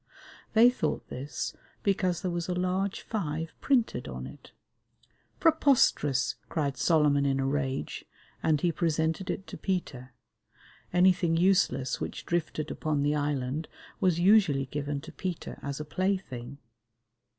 They thought this because there was a large five printed on it. "Preposterous!" cried Solomon in a rage, and he presented it to Peter; anything useless which drifted upon the island was usually given to Peter as a play thing.